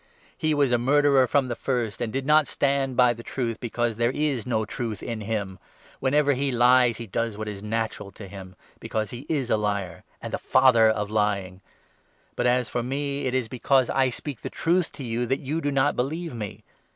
He was a murderer from the first, and did not stand by the truth, because there is no truth in him. Whenever he lies, he does what is natural to him ; because he is a liar, and the father of lying. But, as for me, 45 it is because I speak the truth to you that you do not believe me.